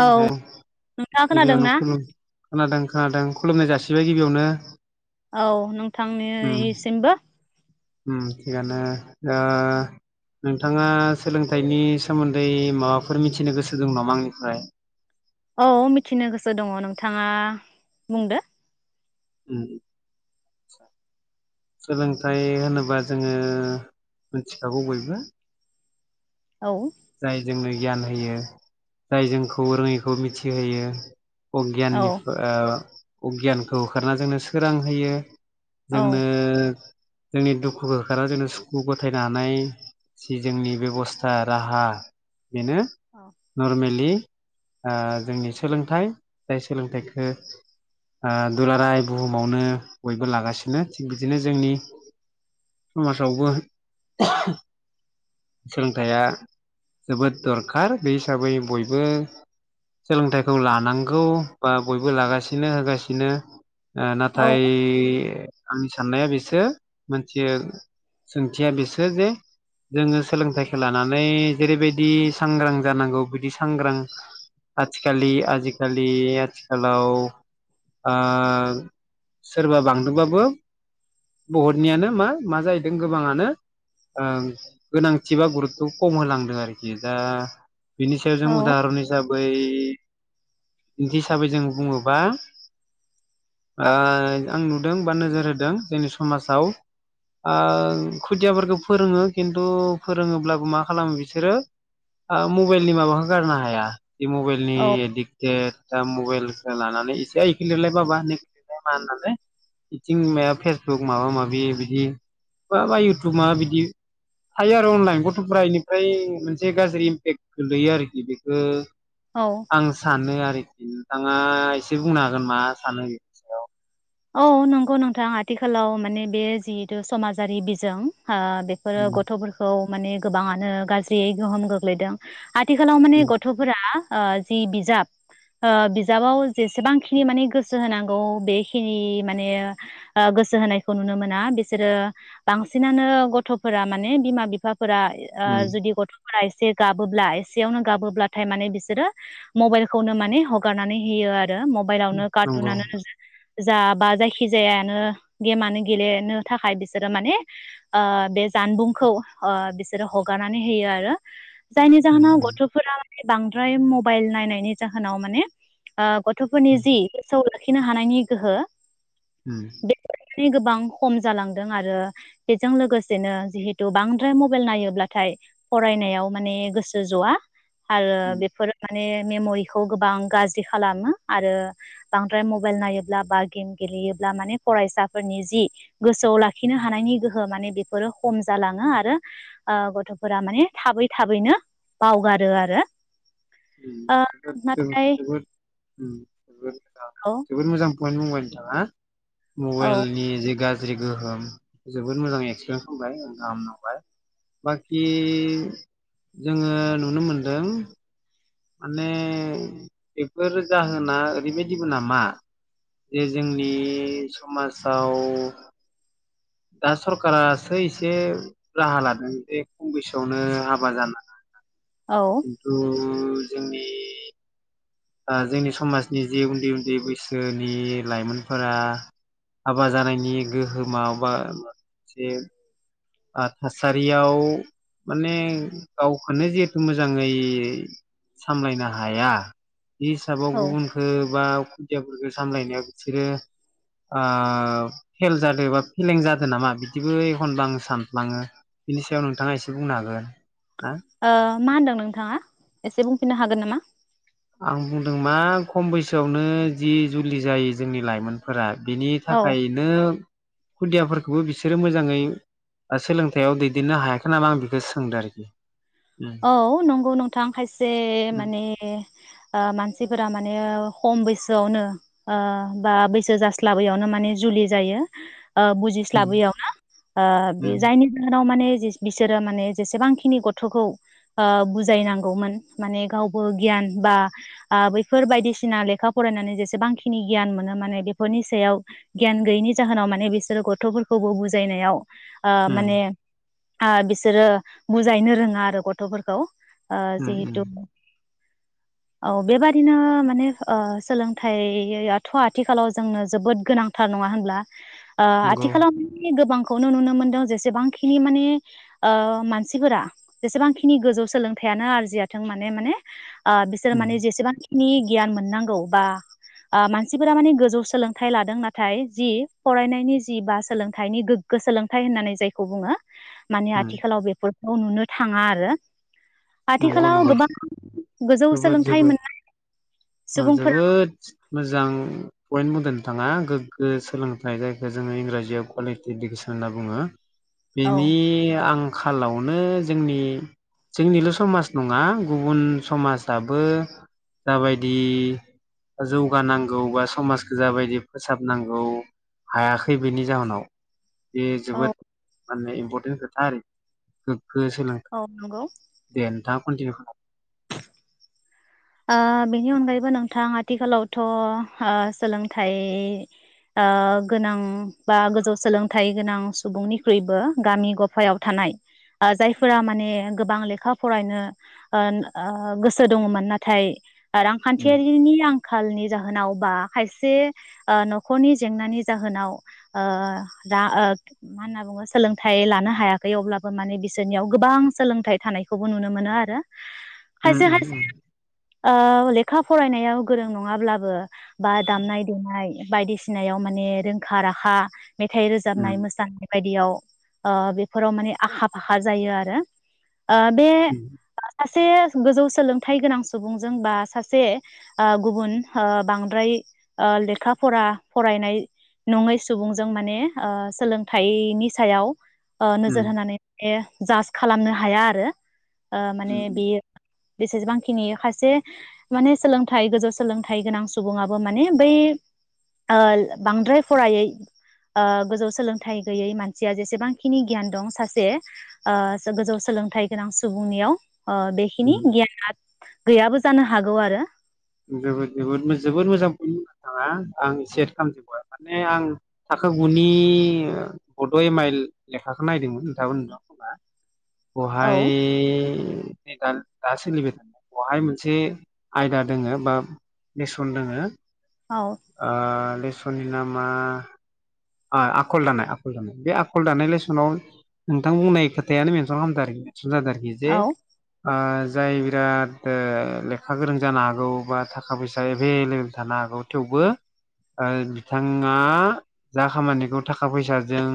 औ नोंथाङा खोनादों ना? गिबियावनो खुलुम खोनादों खोनादों खुलुमनाय जासि सिबाय गिबियावनो औ उम नोंथांनिसिमबो थिगानो नोंथाङा ओ सोलोंथाइनि सोमोन्दै माबाफोर मिथिनो गोसो दं नामा आंनिफ्राय औ मिथिनो गोसो दङ नोंथाङा बुंदो उम [inaudible] सोलोंथाय होनोबा जोङो मिथिखागौ बयबो औ जाय जोंनो गियान होयो जाय जोंखौ रोङैखौ मिथिहोयो औ अगियाननि अगियानखौ होखारना जोंनो सोरां होयो औ जोंनो जोंनि दुखुखौ होखारना जोंनो सुखु गथायनो हानाय जि जोंनि बेब'स्था राहा बेनो नरमेलि जोंनि सोलोंथाइ जाय सोलोंथाइखौ दुलाराय बुहुमावनो बयबो लागासिनो थिग बिदिनो जोंनि समाजावबो सोलोंथाइया जोबोद दरखार बे हिसाबै बयबो सोलोंथाइखौ लानांगौ बा बयबो लागासिनो होगासिनो औ नाथाय आंनि साननाया बेसो मोनथियो सोंथिया बेसो जे जोङो सोलोंथाइखौ लानानै जेरैबायदि सांग्रां जानांगौ बिदि सांग्रां आथिखालि आजिखालि आथिखालाव सोरबा बांदोंबाबो बहुतनियानो मा मा जाहैदों गोबाङानो गोनांथि बा गुरुतथ' खम होलांदों आरोखि दा बिनि सायाव जों औ उदाहरन हिसाबै बै बिदि हिसाबै जों बुङोबा आं नुदों बा नोजोर होदों जोंनि समाजाव खुदियाफोरखौ फोरोङो खिन्थु फोरोङोब्लाबो मा खालामो बिसोरो मबाइलनि माबाखौ गारनो हाया मबाइलनि औ एदिकटेद दा मबाइल लानानै एसे गेलेलाय बाबा होनो [unintelligible] मा होननानै बिथिं मा फेसबुक माबा माबि बिदि माबा इउटुबा बिदि थायो आरो अनलाइन गथ'फ इनिफ्राय मोनसे गाज्रि इम्पेक्ट गोलैयो आरोखि बेखौ औ आं सानो आरो नोंथाङा एसे बुंना मा सानो बेनि सायाव औ नंगौ नोंथां आथिखालाव माने बे जिहेतु समाजारि बिजों बेफोरो उम गथ'फोरखौ माने गोबाङानो गाज्रियै गोहोम गोग्लैदों आथिखालाव माने उम गथ'फोरा ओ जि बिजाब बिजाबाव जेसेबांखिनि माने गोसो होनांगौ बे खिनि माने गोसो होनायखौ नुनो मोना बिसोरो बांसिनानो गथ'फोरा माने बिमा बिफा फोरा उम जुदि गथ' एसे गाबोब्ला एसेयावनो गाबोब्लाथाय माने बिसोरो मबाइलखौनो माने हगारनानै होयो आरो ओ मबाइलावनो नंगौ कारटुननो जा बा जायखिजायानो गेमानो गेलेनो थाखाय बिसोरो माने बे जानबुंखौ ओ बिसोरो हगारनानै होयो आरो जायनि जाहोनाव उम गथ'फोरा बांद्राय मबाइल नायनायनि जाहोनाव माने गथ'फोरनि जि [unintelligible] खिनो हानायनि गोहो उम बे गोबां खम जालांदों आरो बेजों लोगोसेनो जिहेथु बांद्राय मबाइल नायोब्लाथाय फरायनायाव माने गोसो जआ आरो उम बेफोरो ने मेमरिखौ गोबां गाज्रि खालामो आरो बांद्राय मबाइ नायो ब्ला बा गेम गेलेयोब्ला माने फरायसाफोरनि जि गोसोआव लाखिनो हानायनि गोहो माने बेफोरो खम जालाङो आरो गथ'फोरा माने थाबै थाबैनो बावगारो आरो [unintelligible] ओ नाथाय औ जोबोद मोजां [unintelligible] बुंबाय नोंथाङा औ मबाइलनि जे गाज्रि गाज्रि गोहोम जोबोद मोजां एक्सपिरियेन्स होनबाय गाहाम नांबाय बाखि जोङो नुनो मोनदों माने बेफोर जाहोना ओरैबायदिबो नामा जे जोंनि समाजाव दा सरखारासो एसे राहा लादों बे खम बैसोआवनो हाबा जाना औ खिन्थु जोंनि जोंनि समाजनि जे उन्दै उन्दै बैसोनि लाइमोनफोरा हाबा जानायनि गोहोमाव बा मोनसे आ थासारियाव माने गावखोनो जिहेथु मोजाङै सामलायनो हाया बे हिसाबाव औ ओ गुबुनखो बा खुदियाफोरखो सामलायनायाव बिसोरो ओ फेल जादो बा फेलें जादों नामा इदिबो एखनबा सानफ्लाङो बिनि सायाव नोंथाङा एसे बुंनो हागोन ना ओ मा होनदों नोंथाङा एसे बुंफिननो हागोन नामा आं बुंदों मा खम बैसोआवनो जि जुलि जायो जोंनि लाइमोनफोरा बिनि औ थाखायनो खुदियाफोरखौबो बिसोरो मोजाङै आ सोलोंथाइयाव दैदेननो हायाखै नाला आं बेखौ सोंदों आरोखि उम औ नंगौ नोंथां खायसे उम माने ओ मानसिफोरा माने खम बैसोआवनो ओ बा बैसो जास्लाबैयावनो माने जुलि जायो ओ उम बुजिस्लाबैयाव नो ओ उम बे जायनि जाहोनाव माने जिस बिसोरो माने जेसेबांखिनि गथ'खौ ओ बुजायनांगौमोन माने गावबो गियान बा आ बैफोर बायदिसिना लेखा फरायनानै जेसेबांखिनि गियान मोनो माने बेफोरनि सायाव गियान गैयैनि जाहोनाव माने बिसोरो गथ'फोरखौबो बुजायनायाव आ माने उम आ बिसोरो बुजायनो रोङा आरो गथ थ'फोरखौ ओ उम उम जिहेतु औ बेबादिनो माने ओ सोलोंथाइयाथ' आथिखालाव जोंनो जोबोद गोनांथार नङा होनब्ला ओ नंगौ आथिखालाव माने गोबां खौनो नुनो मोनदों जेसेबांखिनि माने ओ मानसिफोरा जेसेबां खिनि गोजौ सोलोंथाइयानो आरजियाथों माने माने आ बिसोर उम माने जेसेबां खिनि गियान मोननांगौ बा आ मानसिफोरा माने गोजौ सोलोंथाइ लादों नाथाय जि फरायनायनि जि बा सोलोंथाइनि गोग्गो सोलोंथाइ होननानै जायखौ बुङो माने उम आथिखालाव बेफोर खौ नुनो थाङा आरो नंगौ आथिखालाव नंगौ गोबां गोजौ जोबोद सोलोंथाइ जोबोद मोननाय ओ सुबुंफोरा जोबोद मोजां पइन्ट बुंदों नोंथाङा गोग्गो सोलोंथाइ जायखो जोङो इंराजियाव कुवालिटि इडुकेसन होनना बुङो औ बेनि आं खालावनो जोंनि जोंनिल समाज नङा गुबुन समाजाबो जाबायदि जौगानांगौ बा समाजखो जाबायदि फोसाबनांगौ हायाखै बेनि जाहोनाव बे औ जोबोद माने इम्परटेन्ट खोथा आरो गो औ नंगौ बेन्था कन्टिनिउ खालाम ओ बेनि अनगायैबो नों थां आथिखालावथ' ओ सोलोंथाइ ओ गोनां बा गोजौ सोलोंथाइ गोनां सुबुंनिख्रुइबो गामि गफायाव थानाय ओ जायफोरा माने गोबां लेखा फरायनो ओ ओ गोसो दङमोन ना थाय उम रांखान्थियारिनि आंखालनि जाहोनाव बा खायसे ओ न'खरनि जेंनानि जाहोनाव ओ दा ओ मा होनना बुङो सोलोंथाइ लानो हायाखै अब्लाबो माने बिसोरनियाव गोबां सोलोंथाइ थानायखौबो नुनो मोनो आरो उम खायसे उम खायसे उम ओ लेखा फरायनायाव गोरों नङाब्लाबो बा दामनाय देनाय बायदिसिनायाव माने रोंखा राखा मेथाइ रोजाबनाय उम मोसानाय बायदियाव ओ बेफोराव माने आखा फाखा जायो आरो ओ बे उम [unintelligible] से गोजौ सोलों थाइ गोनां सुबुंजों बा सासे ओ गुबुन ओ बांद्राय ओ लेखा फरा फरायनाय नङै सुबुंजों माने ओ सोलोंथाइनि सायाव ओ उम नोजोर होनानै बेयो जादस खालामनो हाया आरो ओ माने उम बियो जेसेबांखिनि खायसे माने सोलोंथाइ गोजौ सोलोंथाइ गोनां सुबुङाबो माने बै ओ बांद्राय फरायै ओ गोजौरं सोलोंथाइ गैयै मानसिया जेसेबांखिनि गियान दं ओ सासे गोजौ सोलोंथाइ गोनां सुबुंनियाव अ बेखिनि उम गियान आत गैयाबो जानो हागौ आरो जोबोद जोबोद जोबोर मोजां [unintelligible] नोंथाङा आं एसे एद खालामजोबबाय माने आं थाखो गुनि बड' एम आइल लेखाखौ नायदोंमोन नोंथांबो नुदों खोमा औ बहाय दा दा सोलिबाय थानाय बहाय मोनसे आयदा दोङो बा बेसन दोङो औ ओ सनि नामा आखल दानाय आखल दानाय बे आखल दानाय लेसनाव नोंथां बुंनाय खोथायानो मेनसन खालामदों आरो सोन आरोखि जे औ ओ जाय बिराद लेखा गोरों जानो हागौ बा थाखा फैसा एभेलेबोेल थानो हागौ थेवबो बिथाङा जा खामानिखौ थाखा फैसाजों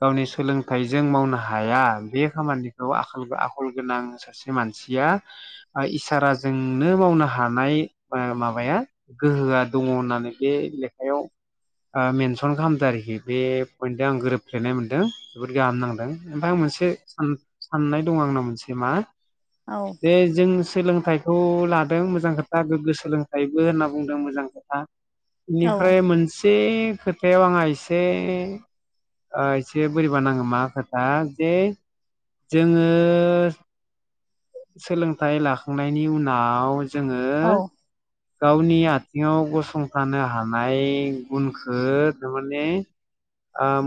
गावनि सोलोंथाइजों मावनो हाया बे खामानिखौ आ आखल गोनां सासे मानसिया इसाराजोंनो मावनो हानाय माबाया गोहोआ दङ होननानै बे लेखायाव मेनसन सन खालामदों आरोखि बे पइन्टदो आं गोरोबफ्लेनाय मोनदों जोबोद गाहाम नांदों ओमफ्राय आं मोनसे सान-साननाय दङ आंनाव मोनसे मा औ जे जों सोलोंथाइ सोलोंथाइखौ लादों मोजां खोथा गोग्गो सोलोंथाइबो होनना बुंदों मोजां खोथा बेनिफ्राय मोनसे खो खोथायाव आंहा एसे ओ एसे बोरैबा नाङो मा खोथा जे जोङो सोलोंथाइ लाखांनायनि उनाव जोङो औ गावनि आथिङाव गसंथानो हानाय गुनखौ थारमाने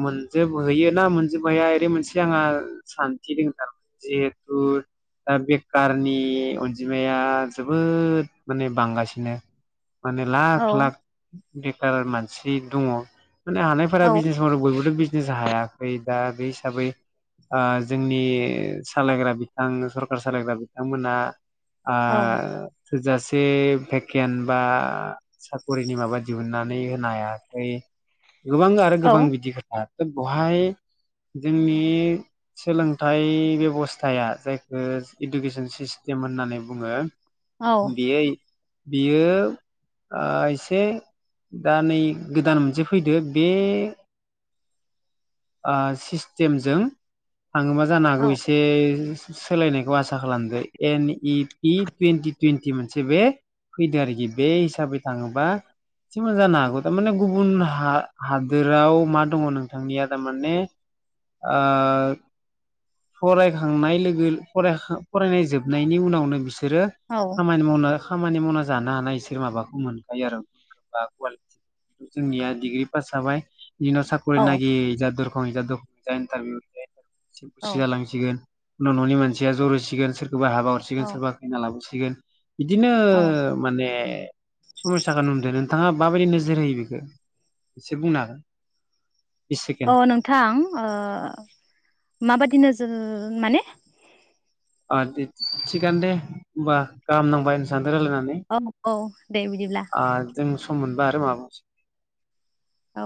मोनजोबहैयोना मोनजोब हैया ओरै मोनसे आंहा सान्थि दङ थारमाने जिहेथु दा बेकारनि अनजिमाया जोबोद माने बांगासिनो माने लाख औ लाख बेखार मानसि दङ माने हानायफोरा औ बिजनेस माव बयबोथ' बिजनेस हायाखै दा बे हिसाबै ओ जोंनि सालायग्रा बिथां सर सार सालायग्रा बिथांमोना आ औ थोजासे भेकेन्ट बा साख'रिनि माबा दिहुननानै होनो हायाखै गोबां आरो गोबां औ बिदि खोथा दा बेहाय जोंनि सोलोंथाइ बेब'स्थाया जाय ओ इडुकेसन सिस्टेम होननानै बुङो औ बियो बियो ओ एसे दा नै गोदान मोनसे फैदो ओ बे सिस्टेमजों थाङो मा जानो हागौ औ एसे सोलायनायखौ आसा खालामदो N E P twenty twenty मोनसे बे फैदो आरोखि बे हिसाबै थाङोबा एसेबो जानो हागौ थारमाने गुबुन ह हादोराव मा दङ नोंथांनिया थारमाने फरायखांनाय लोगो फरायखा फरायनाय जोबनायनि उनावनो बिसोर बिसोरो खामानि मावनो खामानि मावना जानो हानाय इसोर माबाखौ मोनखायो आरोबा कुवालिफिकेसन जोंनिया डिग्रि पास जाबाय इनि उनाव सााखरि औ नागिर जादोर [unintelligible] एसे बुसो औ जालांसिगोन उन न'नि मानसिया जरहोसिगोन सोर सोरबा हाबा हरसिगोन औ सोरबा खैना लाबोसिगोन। सिगोन बिदिनो औ माने समयसाखौ नुदों नोंथाङा माबायदि नोजोर होयो बेखौ एसे बुंनो हागोन? बिस अ सेकेण्ड नोंथां ओ माबादिनो नोजो माने आरो दे थिगानो दे होमबा गाहाम नांबा इसान रायलायनानै औ औ दे बिदिब्ला जों सम मोनबा आरो माबा मा औ